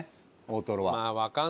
大トロは。